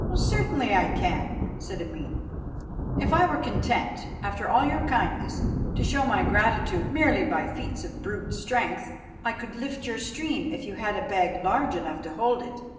"Certainly I can," said Ameen; "if I were content, after all your kindness, to show my gratitude merely by feats of brute strength, I could lift your stream if you had a bag large enough to hold it.